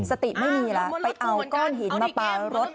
สติไม่มีแล้วไปเอาก้อนหินมาปลารถ